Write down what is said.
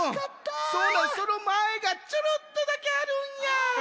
そのまえがちょろっとだけあるんや。